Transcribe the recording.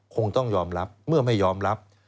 คงต้องยอมรับเมื่อไม่ยอมรับ